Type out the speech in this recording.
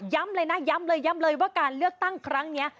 เลยนะย้ำเลยย้ำเลยว่าการเลือกตั้งครั้งนี้